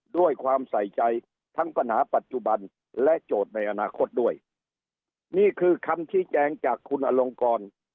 ด้วยความใส่ใจทั้งปัญหาปัจจุบันและโจทย์ในอนาคตด้วยนี่คือคำชี้แจงจากคุณอลงกร